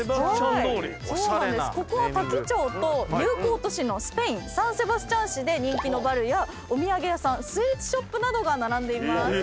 ここは多気町と友好都市のスペインサンセバスチャン市で人気のバルやお土産屋さんスイーツショップなどが並んでいます。